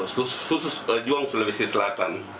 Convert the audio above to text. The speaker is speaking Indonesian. suatu juang sulawesi selatan